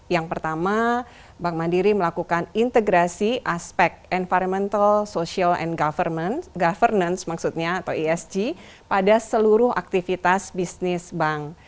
yang pertama bank mandiri melakukan integrasi aspek environmental social and governance maksudnya atau esg pada seluruh aktivitas bisnis bank